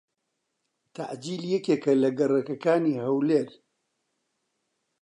تەعجیل یەکێکە لە گەڕەکەکانی هەولێر.